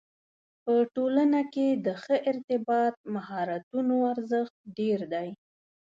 په ټولنه کې د ښه ارتباط مهارتونو ارزښت ډېر دی.